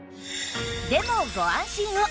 でもご安心を